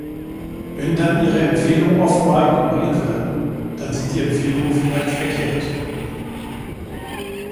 Wenn dann ihre Empfehlungen offenbar ignoriert werden, dann sind die Empfehlungen vielleicht verkehrt.